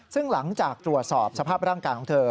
ซึ่งหลังจากตรวจสอบสภาพร่างกายของเธอ